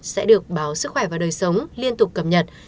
sẽ được báo sức khỏe và đời sống liên tục cập nhật